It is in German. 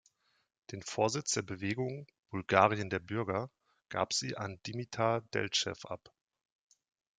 Den Vorsitz der Bewegung „Bulgarien der Bürger“ gab sie an Dimitar Deltschew ab.